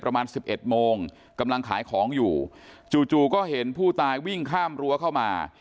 ประมาณ๑๑โมงกำลังขายของอยู่จู่ก็เห็นผู้ตายวิ่งข้ามรั้วเข้ามา